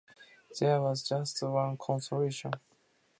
There was just one consolation.